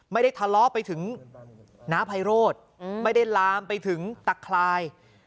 ไม่ได้ทะเลาะไปถึงน้าไพโรธไม่ได้ลามไปถึงตะคลาย